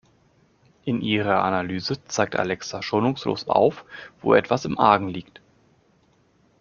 In ihrer Analyse zeigt Alexa schonungslos auf, wo etwas im Argen liegt.